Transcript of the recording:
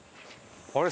あれ？